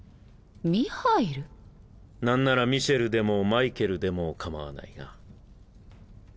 何ならミシェルでもマイケルでも構わないが。